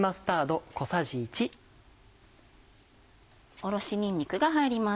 おろしにんにくが入ります。